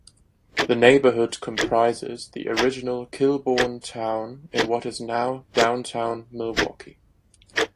The neighborhood comprises the original Kilbourn Town in what is now downtown Milwaukee.